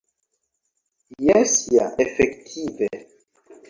Jes ja, efektive.